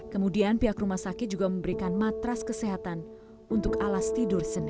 kemudian pihak rumah sakit juga memberikan matras kesehatan untuk alas tidur sendiri